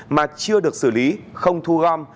mà chưa được xử lý không thu gom